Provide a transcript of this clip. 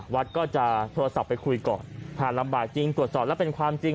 วัดก็จะโทรศัพท์ไปคุยก่อนถ้าลำบากจริงตรวจสอบแล้วเป็นความจริง